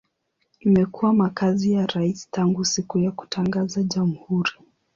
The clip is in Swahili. Imekuwa makazi ya rais tangu siku ya kutangaza jamhuri.